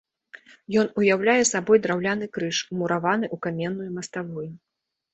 Ён уяўляе сабой драўляны крыж умураваны ў каменную маставую.